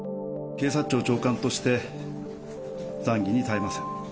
警察庁長官として、慚愧に堪えません。